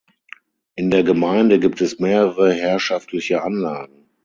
In der Gemeinde gibt es mehrere herrschaftliche Anlagen.